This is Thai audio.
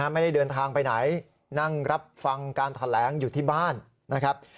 ไม่ได้เดินทางไปไหนนั่งรับฟังการแถลงอยู่ที่บ้านนะครับ